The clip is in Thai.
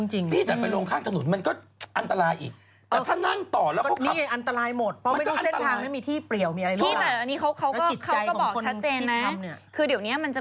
หรือคนที่รู้เรื่องเนี่ยว่า